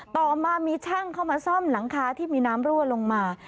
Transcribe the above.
ต่อมามีช่างเข้ามาซ่อมหลังคาที่มีน้ำรั่วลงมา